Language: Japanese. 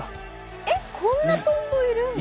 えっこんなトンボいるんだ。